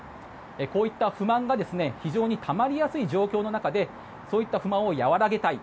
こういった不満が非常にたまりやすい状況の中でそういった不満を和らげたい。